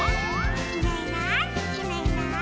「いないいないいないいない」